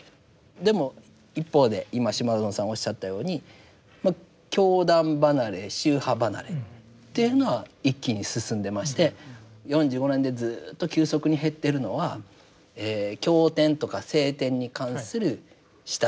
でも一方で今島薗さんおっしゃったようにまあ教団離れ宗派離れというのは一気に進んでまして４５年でずっと急速に減っているのはえ経典とか聖典に関する親しみ。